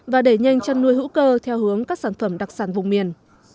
và đẩy nhanh chăn nuôi hữu cơ theo hướng các sản phẩm đặc sản vùng miền